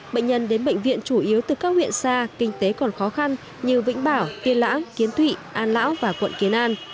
bệnh nhân đến bệnh viện chủ yếu từ các huyện xa kinh tế còn khó khăn như vĩnh bảo tiên lãng kiến thụy an lão và quận kiến an